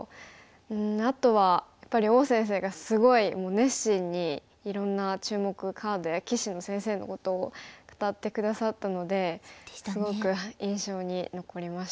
あとはやっぱり王先生がすごい熱心にいろんな注目カードや棋士の先生のことを語って下さったのですごく印象に残りました。